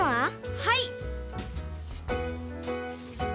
はい！